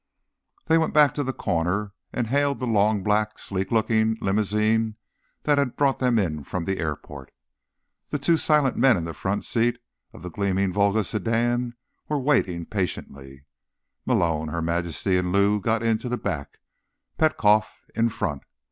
They went back to the corner, and hailed the long, black, sleek looking limousine that had brought them in from the airport. The two silent men in the front seat of the gleaming Volga sedan were waiting patiently. Malone, Her Majesty and Lou got into the back, Petkoff in front.